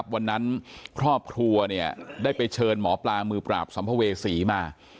วันนั้นครอบครัวได้ไปเชิญหมอปลามือปราบสัมภเวษีมา